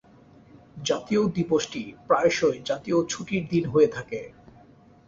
জাতীয় দিবসটি প্রায়শই জাতীয় ছুটির দিন হয়ে থাকে।